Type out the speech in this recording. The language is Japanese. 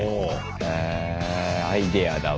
へえアイデアだわ。